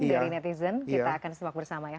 dari netizen kita akan simak bersama ya